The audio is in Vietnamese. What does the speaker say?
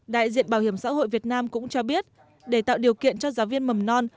đại diện bảo hiểm xã hội việt nam cũng cho biết để tạo điều kiện cho giáo viên mầm non